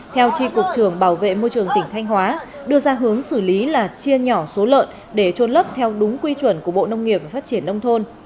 theo tri cục trường bảo vệ môi trường tỉnh thanh hóa đưa ra hướng xử lý là chia nhỏ số lợn để trôn lấp theo đúng quy chuẩn của bộ nông nghiệp và phát triển nông thôn